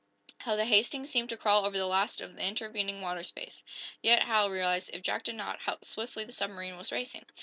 How the "Hastings" seemed to crawl over the last of the intervening water space! Yet Hal realized, if Jack did not, how swiftly the submarine was racing.